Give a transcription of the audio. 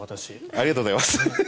ありがとうございます。